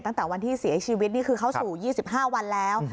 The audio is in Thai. ตั้งแต่วันที่เสียชีวิตนี่คือเข้าสู่๒๕วันแล้ว